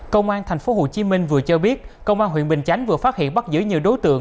công an tp hcm vừa cho biết công an huyện bình chánh vừa phát hiện bắt giữ nhiều đối tượng